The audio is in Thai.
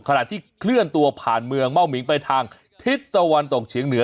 ขณะที่เคลื่อนตัวผ่านเมืองเม่าหมิงไปทางทิศตะวันตกเฉียงเหนือ